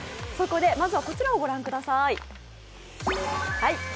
そこで、まずはこちらを御覧ください。